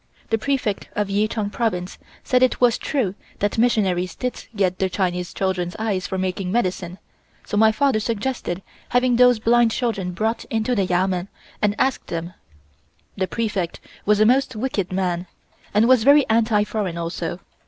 The Prefect of Ichang Province said it was true that missionaries did get the Chinese childrens' eyes for making medicine, so my father suggested having those blind children brought into the Yamen and ask them. The Prefect was a most wicked man, and was very anti foreign also.